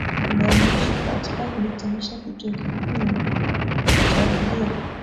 imeonyeshwa katika kuhitimisha kituo kikuu cha redio